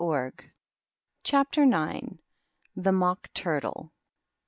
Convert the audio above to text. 18* CHAPTER IX. THE MOCK TURTLE.